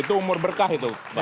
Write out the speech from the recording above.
itu umur berkah itu